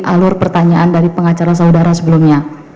alur pertanyaan dari pengacara saudara sebelumnya